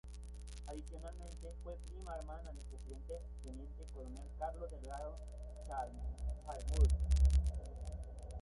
Adicionalmente fue prima hermana del Presidente Teniente Coronel Carlos Delgado Chalbaud.